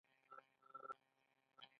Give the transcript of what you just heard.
د انکریپشن تخنیکونه معلومات خوندي ساتي.